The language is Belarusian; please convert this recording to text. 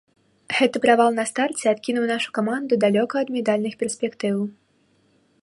Гэты правал на старце адкінуў нашу каманду далёка ад медальных перспектыў.